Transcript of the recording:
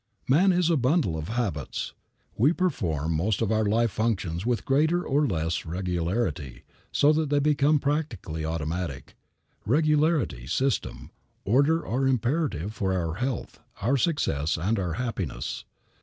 Man is a bundle of habits. We perform most of our life functions with greater or less regularity, so that they become practically automatic. Regularity, system, order are imperative for our health, our success and our happiness.